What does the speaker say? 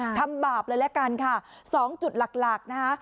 ค่ะทำบาปเลยแล้วกันค่ะสองจุดหลักหลักนะฮะ